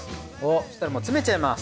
そしたら詰めちゃいます。